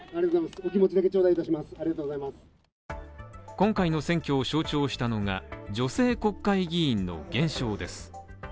今回の選挙を象徴したのが女性国会議員の減少です。